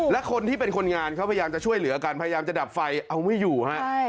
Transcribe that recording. และคนที่เป็นคนงานเขาพยายามจะช่วยเหลือกันพยายามจะดับไฟเอาไม่อยู่ฮะ